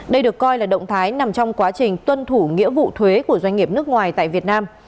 đây được coi là động thái nằm trong quá trình tuân thủ nghĩa vụ thuế của doanh nghiệp nước ngoài tại việt nam